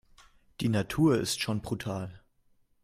Die Natur ist schon brutal.